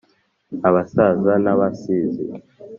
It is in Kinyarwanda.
abasaza n’abasizi